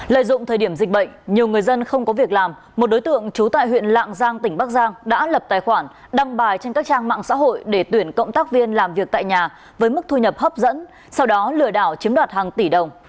lợi dụng thời điểm dịch bệnh nhiều người dân không có việc làm một đối tượng trú tại huyện lạng giang tỉnh bắc giang đã lập tài khoản đăng bài trên các trang mạng xã hội để tuyển cộng tác viên làm việc tại nhà với mức thu nhập hấp dẫn sau đó lừa đảo chiếm đoạt hàng tỷ đồng